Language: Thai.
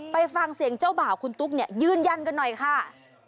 ไปฟังเสียงเจ้าบ่าวคุณตุ๊กเนี่ยยืนยันกันหน่อยค่ะ